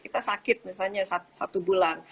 kita sakit misalnya satu bulan